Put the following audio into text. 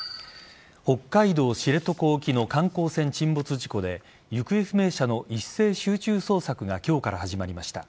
北海道知床沖の観光船沈没事故で行方不明者の一斉集中捜索が今日から始まりました。